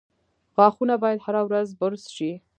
• غاښونه باید هره ورځ برس شي.